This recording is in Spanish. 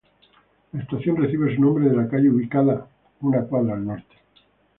La estación recibe su nombre de la calle ubicada una cuadra al norte.